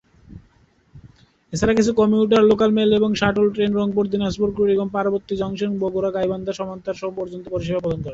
এছাড়া কিছু commuter, local mail এবং shuttle train Rangpur, Dinajpur, Kurigram, Parbatipur junction, Bogura, Gaibandha, Santahar পর্যন্ত পরিষেবা প্রদান করে।